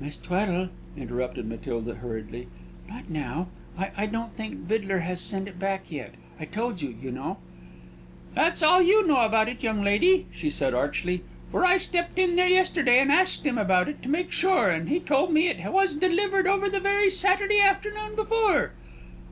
"Miss Tweddle," interrupted Matilda, hurriedly, "not now. I I don't think Vidler has sent it back yet. I told you, you know " "That's all you know about it, young lady," she said, archly; "for I stepped in there yesterday and asked him about it, to make sure, and he told me it was delivered over the very Saturday afternoon before.